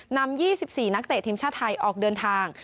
นำ๒๔นักเตะทีมชาติไทยออกเดินทาง